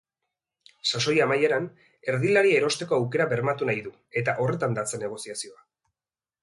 Sasoi amaieran, erdilaria erosteko aukera bermatu nahi du eta horretan datza negoziazioak.